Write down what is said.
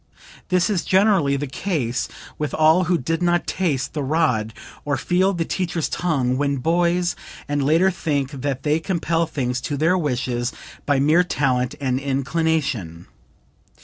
"This is generally the case with all who did not taste the rod or feel the teacher's tongue when boys, and later think that they can compel things to their wishes by mere talent and inclination.